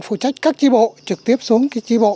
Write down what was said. phụ trách các chi bộ trực tiếp xuống chi bộ